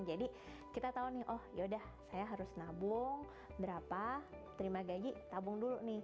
jadi kita tahu nih oh ya udah saya harus nabung berapa terima gaji tabung dulu nih